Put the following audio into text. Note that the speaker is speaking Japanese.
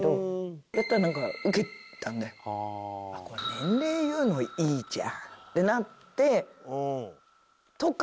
年齢言うのいいじゃんってなって。とか